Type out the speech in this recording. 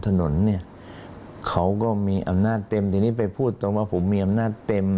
ถนนเนี่ยเขาก็มีอำนาจเต็มทีนี้ไปพูดตรงว่าผมมีอำนาจเต็ม